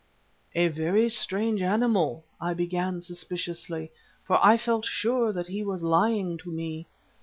"'A very strange animal,' I began, suspiciously, for I felt sure that he was lying to me.